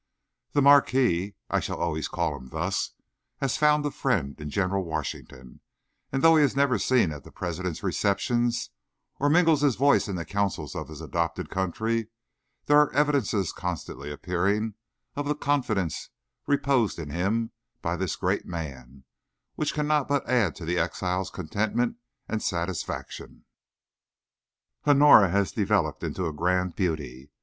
The marquis I shall always call him thus has found a friend in General Washington, and though he is never seen at the President's receptions, or mingles his voice in the councils of his adopted country, there are evidences constantly appearing of the confidence reposed in him by this great man, which cannot but add to the exile's contentment and satisfaction. Honora has developed into a grand beauty.